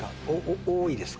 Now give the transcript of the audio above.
多いですか？